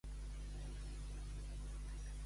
Posar en berlina.